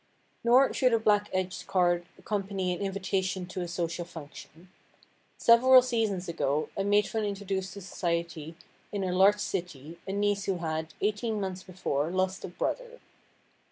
Nor should a black edged card accompany an invitation to a social function. Several seasons ago a matron introduced to society in a large city a niece who had, eighteen months before, lost a brother.